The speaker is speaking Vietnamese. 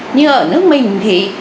nhưng ở nước mình thì